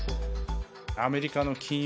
アメリカの金融